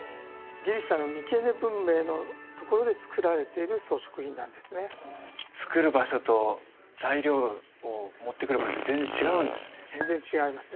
ギリシャのミケーネ文明のところで作られてる装飾品なんですね作る場所と材料を持ってくる場所が全然違うんですね全然違います